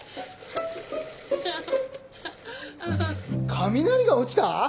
雷が落ちた！？